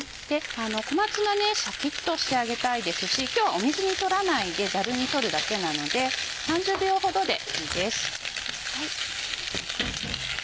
小松菜ねシャキっと仕上げたいですし今日は水に取らないでザルに取るだけなので３０秒ほどでいいです。